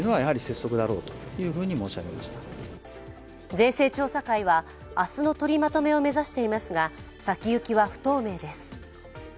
税制調査会は、明日の取りまとめを目指していますが、先行きは不透明です。